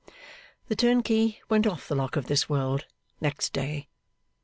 The turnkey went off the lock of this world next day.